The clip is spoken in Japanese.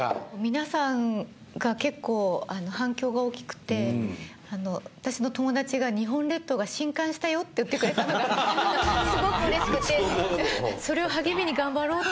皆さんが結構反響が大きくて私の友達が「日本列島が震撼したよ」って言ってくれたのがすごくうれしくてそれを励みに頑張ろうって。